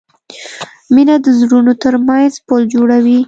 مینه د زړونو ترمنځ پُل جوړوي.